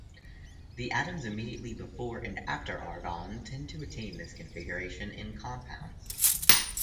The atoms immediately before and after argon tend to attain this configuration in compounds.